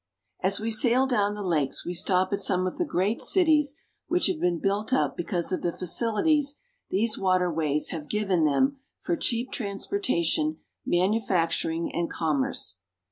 AS we sail down the lakes, we stop at some of the great . cities which have been built up because of the facilities these waterways have given them for cheap transportation, manufacturing, and commerce.